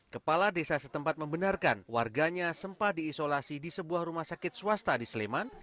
kepala desa setempat membenarkan warganya sempat diisolasi di sebuah rumah sakit swasta di sleman